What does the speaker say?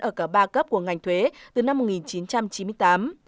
ở cả ba cấp của ngành thuế từ năm một nghìn chín trăm chín mươi tám